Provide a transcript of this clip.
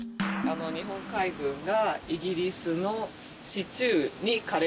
日本海軍が。